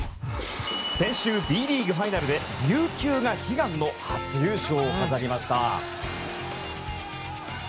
先週、Ｂリーグファイナルで琉球が悲願の初優勝を飾りました。